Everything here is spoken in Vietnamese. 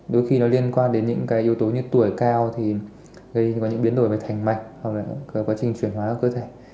đôi khi nó liên quan đến những yếu tố như tuổi cao thì gây ra những biến đổi về thành mạch hoặc là quá trình chuyển hóa của cơ thể